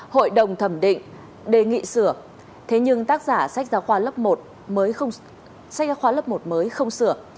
hội đồng thẩm định đề nghị sửa thế nhưng tác giả sách giáo khoa lớp một mới không sửa